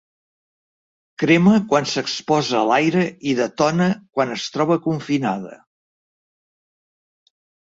Crema quan s'exposa a l'aire i detona quan es troba confinada.